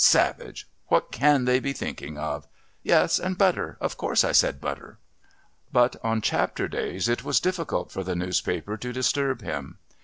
Savage! What can they be thinking of? Yes, and butter.... Of course I said butter." But on "Chapter Days" it was difficult for the newspaper to disturb him.